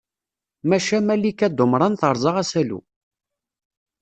Maca Malika Dumran terẓa asalu.